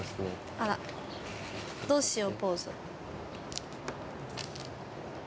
あらどうしようポーズ。